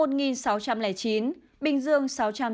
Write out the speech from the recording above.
bình dương sáu trăm tám mươi sáu